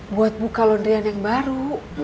buat buka laundrian yang baru